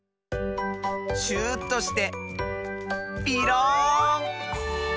シューッとしてピローン！